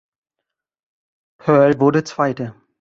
Pearl wurde Zweiter.